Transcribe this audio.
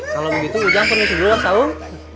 kalau begitu ujang turun dulu ya saung